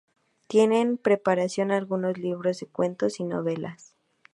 Tiene en preparación algunos libros de cuentos y novelas.